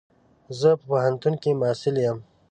زه په پوهنتون کي محصل يم.